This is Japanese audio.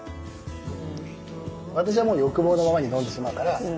私はもう欲望のままに飲んでしまうから。